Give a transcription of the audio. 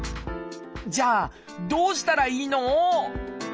じゃあどうしたらいいの？